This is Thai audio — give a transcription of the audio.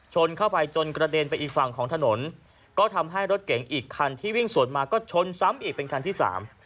ชนเข้าไปจนกระเด็นไปอีกฝั่งของถนนก็ทำให้รถเก๋งอีกคันที่วิ่งสวนมาก็ชนซ้ำอีกเป็นคันที่สาม